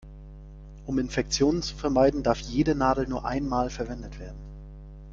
Um Infektionen zu vermeiden, darf jede Nadel nur einmal verwendet werden.